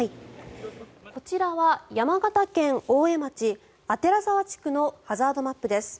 こちらは山形県大江町左沢地区のハザードマップです。